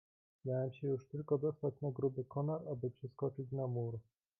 "Miałem się już tylko dostać na gruby konar, aby przeskoczyć na mur."